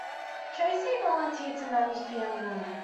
Tracey volunteered to manage the young woman.